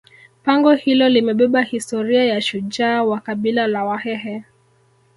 pango hilo limebeba historia ya shujaa wa kabila la wahehe